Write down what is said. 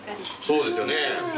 そうですよね。